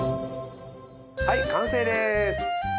はい完成です！